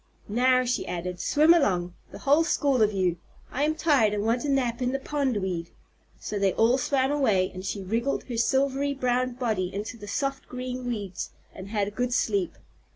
"Now," she added, "swim along, the whole school of you! I am tired and want a nap in the pondweed." So they all swam away, and she wriggled her silvery brown body into the soft green weeds and had a good sleep.